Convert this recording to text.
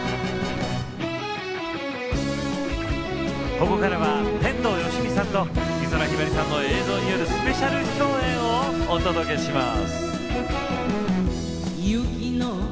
ここからは天童よしみさんと美空ひばりさんの映像によるスペシャル共演をお届けします。